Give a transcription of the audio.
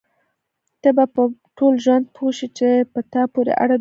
ته به په ټول ژوند پوه شې چې په تا پورې اړه درلوده.